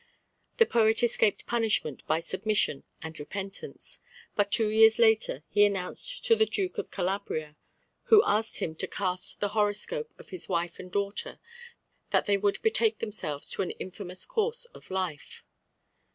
The poet escaped punishment by submission and repentance. But two years later he announced to the Duke of Calabria, who asked him to cast the horoscope of his wife and daughter, that they would betake themselves to an infamous course of life.